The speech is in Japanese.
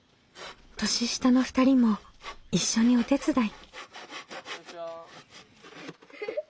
年下の２人も一緒にお手伝い。